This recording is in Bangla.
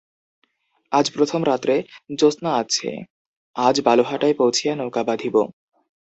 আজ প্রথম রাত্রে জ্যোৎস্না আছে, আজ বালুহাটায় পৌঁছিয়া নৌকা বাঁধিব।